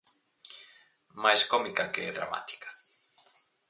Máis cómica que dramática.